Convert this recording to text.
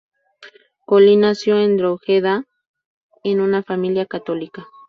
Colin nació en Drogheda, en una familia católica.